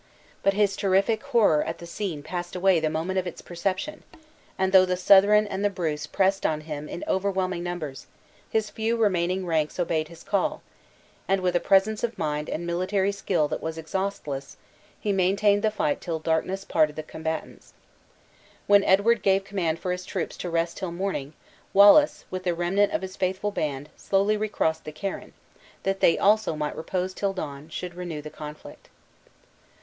But his terrific horror at the scene passed away the moment of its perception; and though the Southron and the Bruce pressed on him in overwhelming numbers, his few remaining ranks obeyed his call; and with a presence of mind and military skill that was exhaustless, he maintained the fight till darkness parted the combatants. When Edward gave command for his troops to rest till morning, Wallace, with the remnant of his faithful band slowly recrossed the Carron, that they also might repose till dawn should renew the conflict.